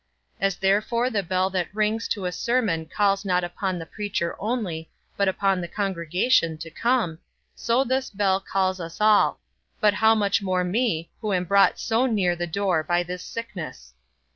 As therefore the bell that rings to a sermon calls not upon the preacher only, but upon the congregation to come, so this bell calls us all; but how much more me, who am brought so near the door by this sickness.